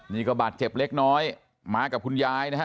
นี่ก็บาดเจ็บเล็กน้อยมากับคุณยายนะฮะ